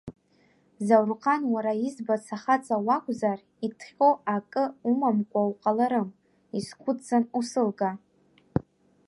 Заурҟан, уара избац ахаҵа уакузар, иҭҟь акы умамкуа уҟаларым, исгудҵан усылга!